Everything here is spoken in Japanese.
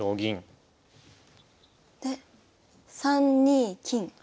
で３二金。